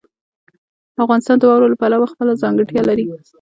افغانستان د واورو له پلوه خپله ځانګړتیا لري.